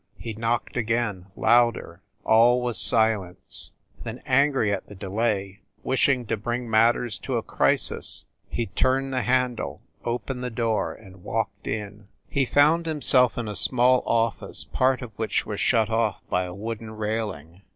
He knocked again, louder. All was silence. Then, angry at the delay, wishing to bring matters to a crisis, he turned the handle, opened the door and walked in. He found himself in a small office, part of which was shut off by a wooden railing.